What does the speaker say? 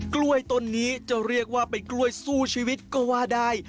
กล้วยต้นนี้จะเรียกว่าเป็นกล้วยสู้ชีวิตก็ว่าได้